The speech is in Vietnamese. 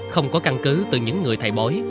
không có căn cứ từ những người thầy bố